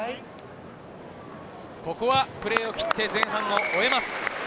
プレーを切って、前半を終えます。